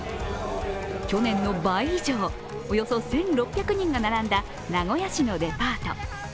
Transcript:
去年の倍以上、およそ１６００人が並んだ名古屋市のデパート。